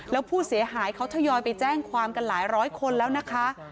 แล้วผู้เสียหายเขาทยอยไปแจ้งความกันหลายร้อยคนแล้วนะคะ